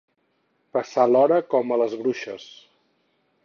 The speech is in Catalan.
Passar l'hora com a les bruixes.